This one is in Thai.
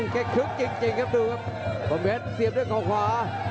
เก็บขึ้นจริงครับดูครับพระเจ้าโสเสียบด้วยเข้าขวา